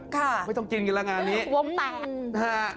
ค่ะไม่ต้องกินกินละงานนี้โว้มแดก